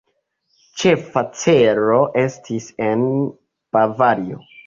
Ĉefa celo estis en Bavario.